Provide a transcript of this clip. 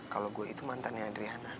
kalo gua itu mantan ya adriana